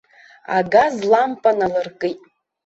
Агаз лампа налыркит.